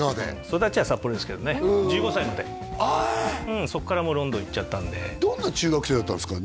１５歳までへえそっからもうロンドン行っちゃったんでどんな中学生だったんですか？